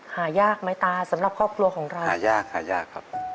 หายากไหมตาสำหรับครอบครัวของเราหายากหายากครับ